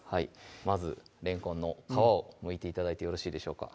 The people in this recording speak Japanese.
まずれんこんの皮をむいて頂いてよろしいでしょうか？